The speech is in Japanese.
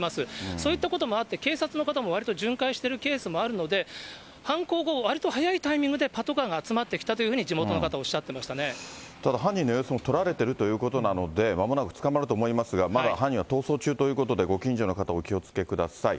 そういったこともあって、警察の方もわりと巡回しているケースもあるので、犯行後、わりと早いタイミングでパトカーが集まってきたというふうに地元ただ犯人の様子も撮られてるということなので、まもなく捕まると思いますが、まだ犯人は逃走中ということで、ご近所の方、お気をつけください。